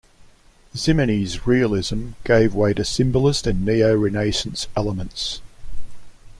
Ximenes' realism gave way to Symbolist and Neo-Renaissance elements.